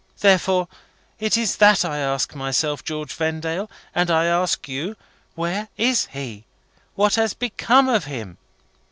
Therefore it is that I ask myself, George Vendale, and I ask you, where is he? What has become of him?"